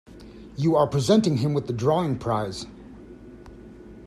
You are presenting him with the drawing prize.